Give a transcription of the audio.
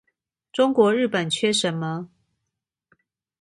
中國日本缺什麼